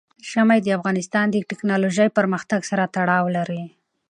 ژمی د افغانستان د تکنالوژۍ پرمختګ سره تړاو لري.